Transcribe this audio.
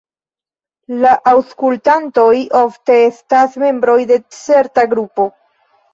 La aŭskultantoj ofte estas membroj de certa grupo.